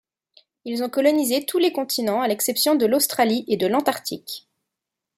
Ils ont colonisé tous les continents à l’exception de l'Australie et de l'Antarctique.